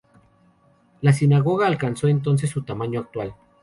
La sinagoga alcanzó entonces su tamaño actual.